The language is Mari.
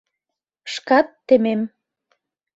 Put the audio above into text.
Шкат темем.